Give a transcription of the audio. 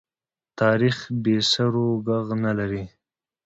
تاریخ بې سرو ږغ نه لري.